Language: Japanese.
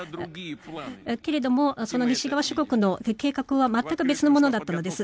けれども西側諸国の計画は全く別のものだったのです。